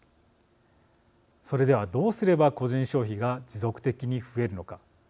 それでは、どうすれば個人消費が持続的に増えるのか。